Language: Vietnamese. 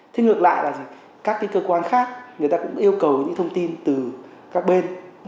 thế ngược lại là các cái cơ quan khác người ta cũng yêu cầu những thông tin từ các bên